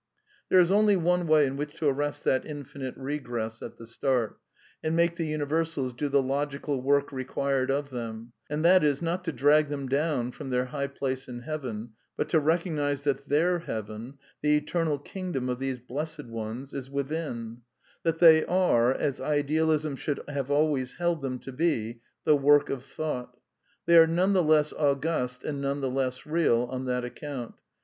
' There is only one way in which to arrest that infinite regress at the start, and make the universals do the logical work required of theiii ; and that is, not to drag them down from their high place in heaven, but to recognize that their ^^^ heaven, the eternal Kingdom of these blessed ones, is within ; that they are, as Idealism should have always held them to be, the work of Thought. They are none the less august, and none the less real, on that account.